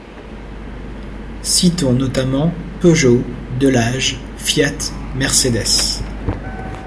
Citons notamment Peugeot, Delage, Fiat, Mercedes.